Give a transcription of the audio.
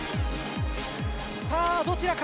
さあ、どちらか。